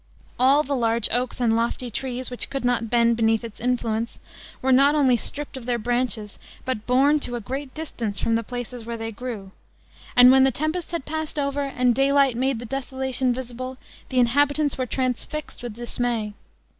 All the large oaks and lofty trees which could not bend beneath its influence, were not only stripped of their branches but borne to a great distance from the places where they grew, and when the tempest had passed over and daylight made the desolation visible, the inhabitants were transfixed with dismay.